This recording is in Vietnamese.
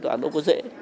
tòa án nó có dễ